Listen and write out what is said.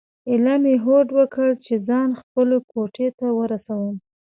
ایله مې هوډ وکړ چې ځان خپلو کوټې ته ورسوم.